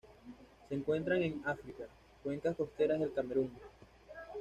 Se encuentran en África: cuencas costeras del Camerún.